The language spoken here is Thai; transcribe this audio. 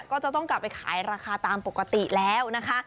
ก็จะต้องกลับไปขายราคาตามปกติแล้วนะคะ